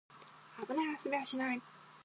危ない遊びはしない